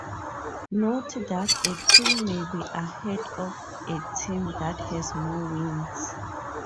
Note that a team may be ahead of a team that has more wins.